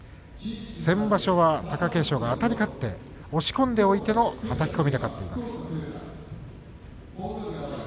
先場所は貴景勝があたり勝って押し込んでおいてのはたき込みで勝っています。